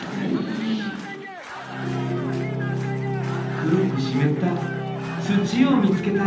黒く湿った土を見つけた。